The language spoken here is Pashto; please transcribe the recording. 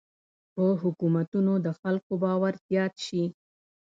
په حکومتونو د خلکو باور زیات شي.